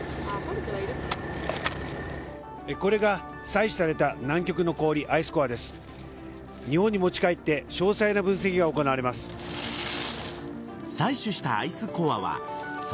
これが採取された南極の氷アイスコアです。